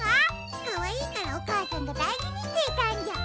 かわいいからおかあさんがだいじにしていたんじゃ。